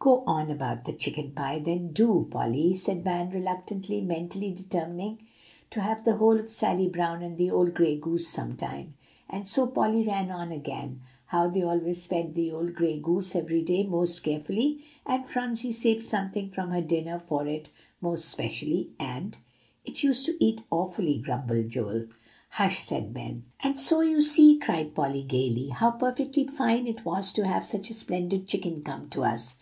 "Go on about the chicken pie, then, do, Polly," said Van reluctantly, mentally determining to have the whole of Sally Brown and the old gray goose some time. And so Polly ran on again, how they always fed the old gray goose every day most carefully, and Phronsie saved something from her dinner for it most especially, and "It used to eat awfully," grumbled Joel. "Hush!" said Ben. "And so you see," cried Polly gayly, "how perfectly fine it was to have such a splendid chicken come to us.